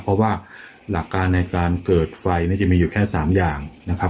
เพราะว่าหลักการในการเกิดไฟเนี่ยจะมีอยู่แค่๓อย่างนะครับ